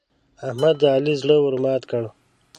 احمد د علي زړه ور مات کړ.